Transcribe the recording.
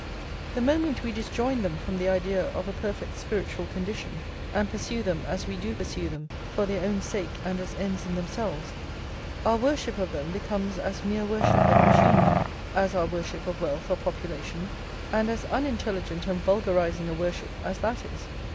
The moment we disjoin them from the idea of a perfect spiritual condition, and pursue them, as we do pursue them, for their own sake and as ends in themselves, our worship of them becomes as mere worship of machinery, as our worship of wealth or population, and as unintelligent and vulgarising a worship as that is.